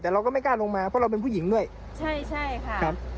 แต่เราก็ไม่กล้าลงมาเพราะเราเป็นผู้หญิงด้วยใช่ใช่ค่ะครับ